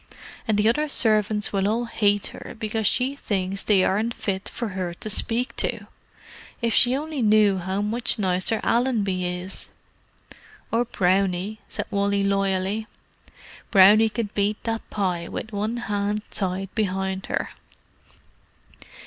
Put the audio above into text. "And the other servants will all hate her because she thinks they aren't fit for her to speak to. If she only knew how much nicer Allenby is!" "Or Brownie," said Wally loyally. "Brownie could beat that pie with one hand tied behind her."